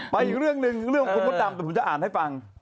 อีกเรื่องหนึ่งเรื่องของคุณมดดำแต่ผมจะอ่านให้ฟัง